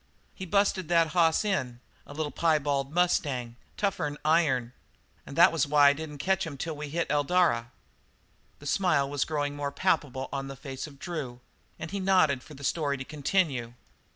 He busted that hoss in a little piebald mustang, tougher 'n iron and that was why I didn't catch him till we hit Eldara." The smile was growing more palpable on the face of Drew, and he nodded for the story to continue.